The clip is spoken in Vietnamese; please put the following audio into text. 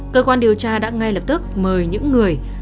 cơ quan điều tra đã ngay lập tức mời những người